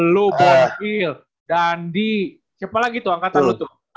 lo brownfield dandi siapa lagi tuh angkatan lu tuh